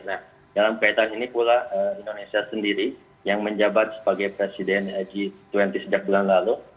nah dalam kaitan ini pula indonesia sendiri yang menjabat sebagai presiden g dua puluh sejak bulan lalu